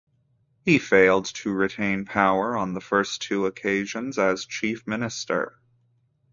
He failed to retain power on the first two occasions as Chief minister.